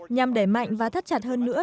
nhằm đẩy mạnh và thắt chặt hơn nữa